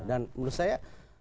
dan menurut saya